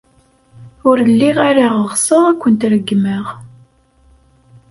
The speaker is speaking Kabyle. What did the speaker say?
Ur lliɣ ara ɣseɣ ad kent-regmeɣ.